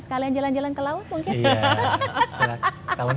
sekalian jalan jalan ke laut mungkin